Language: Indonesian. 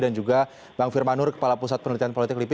dan juga bang firmanur kepala pusat penelitian politik lipi